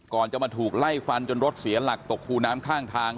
ก่อนจะมาถูกไล่ฟันจนรถเสียหลักตกคูน้ำข้างทาง